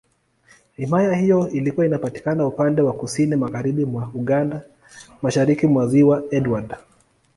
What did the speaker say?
Himaya hiyo ilikuwa inapatikana upande wa Kusini Magharibi mwa Uganda, Mashariki mwa Ziwa Edward.